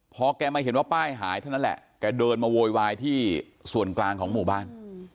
พอแกมาเห็นว่าป้ายหายเท่านั้นแหละแกเดินมาโวยวายที่ส่วนกลางของหมู่บ้าน